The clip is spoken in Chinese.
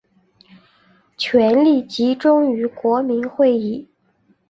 权力集中于国民议会。